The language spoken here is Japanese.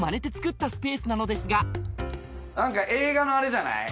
映画のあれじゃない？